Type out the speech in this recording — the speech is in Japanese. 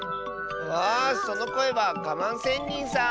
あそのこえはガマンせんにんさん！